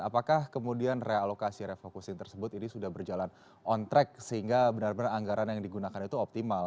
apakah kemudian realokasi refocusing tersebut ini sudah berjalan on track sehingga benar benar anggaran yang digunakan itu optimal